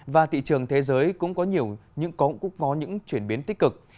và thị trường thế giới cũng có những chuyển biến tích cực